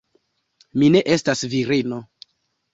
Mi ne estas virino.